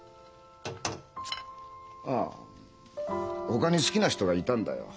ああほかに好きな人がいたんだよ。